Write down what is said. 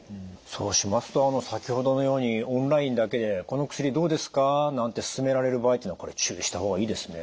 そうしますと先ほどのようにオンラインだけで「この薬どうですか？」なんて勧められる場合っていうのは注意した方がいいですね。